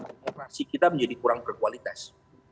demokrasi kita menjadi kurang berkualitas